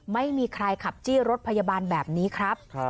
ไม่มีใครขับจี้รถพยาบาลแบบนี้ครับ